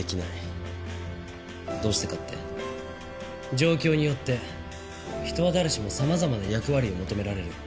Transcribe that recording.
状況によって人は誰しも様々な役割を求められる。